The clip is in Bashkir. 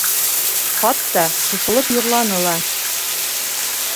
Хатта ҡушылып йырланы ла.